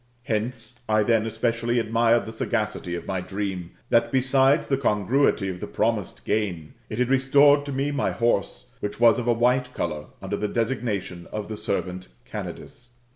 Hence, I then especially admired the sagacity of my dream, that, besides the congruity of the promised gain, it had restored to me my horse, which was of a white colour, under the designation of the servant Candidus.